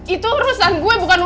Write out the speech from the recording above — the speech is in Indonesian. itu urusan gue bukan urusan kamu ya